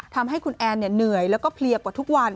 ทำให้คุณแอนเหนื่อยแล้วก็เพลียกว่าทุกวัน